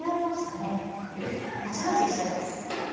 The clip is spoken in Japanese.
８八飛車です。